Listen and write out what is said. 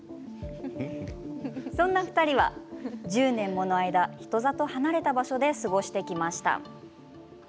そんな２人は１０年もの間人里離れた場所で過ごしてきました。